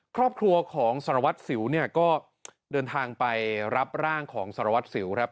ครอบครัวของสารวัติเสียวก็เดินทางไปรับร่างของสารวัติเสียว